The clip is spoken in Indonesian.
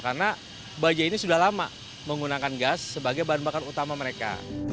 karena bajai ini sudah lama menggunakan gas sebagai bahan makan utama mereka